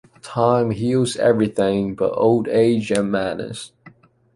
Time heals everything but old age and madness.